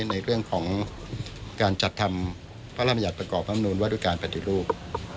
ในเรื่องของการจัดทำพระรามยัตริย์ประกอบธรรมนูญวัตถุการณ์ปฏิรูป